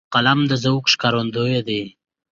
قلم د ذوق ښکارندوی دی